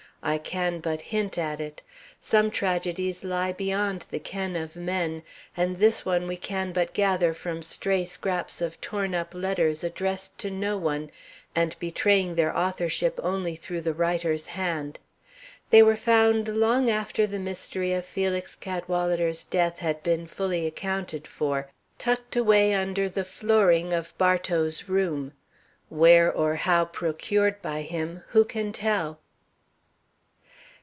I can but hint at it. Some tragedies lie beyond the ken of man, and this one we can but gather from stray scraps of torn up letters addressed to no one and betraying their authorship only through the writer's hand. They were found long after the mystery of Felix Cadwalader's death had been fully accounted for, tucked away under the flooring of Bartow's room. Where or how procured by him, who can tell?